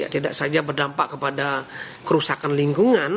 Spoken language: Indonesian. tidak saja berdampak kepada kerusakan lingkungan